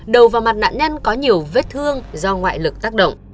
đầu vào mặt nạn nhân có nhiều vết thương do ngoại lực tác động